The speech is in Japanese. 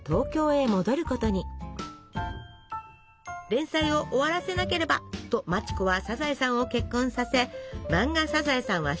「連載を終わらせなければ」と町子はサザエさんを結婚させ漫画「サザエさん」は終了！